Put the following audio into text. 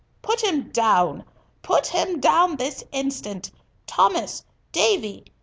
"Put him down! put him down this instant! Thomas! Davy!